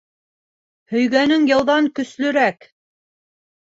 Һөйгәнең яуҙан көслөрәк!